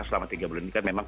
selama tiga bulan ini kan memang